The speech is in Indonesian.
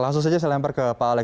langsung saja saya lempar ke pak alex